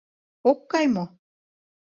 — Ок кай мо?